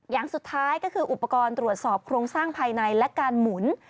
อย่างสุดท้ายก็คืออุปกรณ์ตรวจสอบโครงสร้างภายในและการหมุน